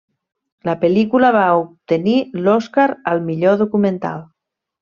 La pel·lícula va obtenir l'Oscar al millor documental.